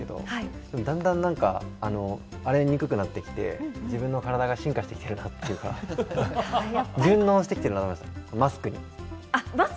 だんだんあれにくくなってきて自分の体が進化してきているなとか、順応してきているなと、マスクに。